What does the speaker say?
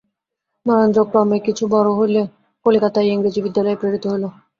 নরেন্দ্র ক্রমে কিছু বড়ো হইলে কলিকাতায় ইংরাজি বিদ্যালয়ে প্রেরিত হইল।